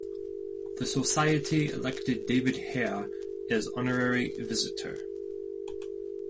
The society elected David Hare as honorary visitor.